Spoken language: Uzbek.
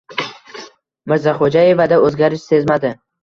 Mirzaxo‘jaevada o‘zgarish sezmadi.